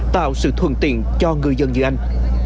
tạo sự thuận tiện cho ngư dân như anh